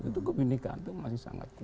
itu kebenekaan itu masih sangat kuat